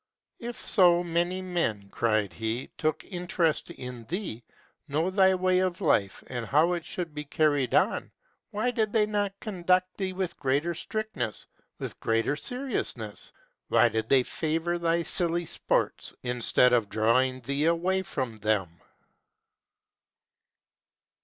"If so many men," cried he, " took interest in thee, know thy way of life, and how it should be carried on, why did they not conduct thee with greater strictness, with greater seriousness? Why did they favor thy silly sports, instead of drawing thee away from them